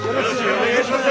お願いします！